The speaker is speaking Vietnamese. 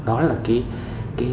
đó là cái